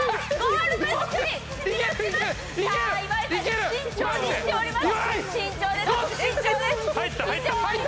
岩井さん、慎重にいっております。